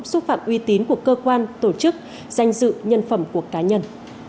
xúc phạm uy tín của cơ quan tổ chức danh dự nhân phẩm của cá nhân